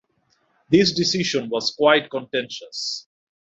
This decision was quite contentious.